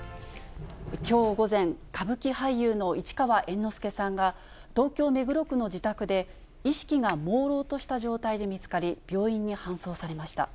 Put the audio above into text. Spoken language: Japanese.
きょう午前、歌舞伎俳優の市川猿之助さんが、東京・目黒区の自宅で、意識がもうろうとした状態で見つかり、病院に搬送されました。